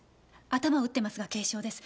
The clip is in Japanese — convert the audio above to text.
頭を打ってますが軽傷です。